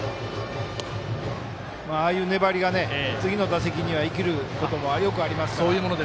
ああいう粘りが次の打席に生きることはよくありますから。